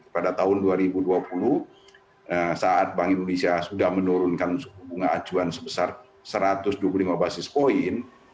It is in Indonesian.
pada tahun dua ribu dua puluh saat bank indonesia sudah menurunkan suku bunga acuan sebesar satu ratus dua puluh lima basis point